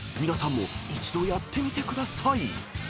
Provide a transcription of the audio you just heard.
皆さんも一度やってみてください］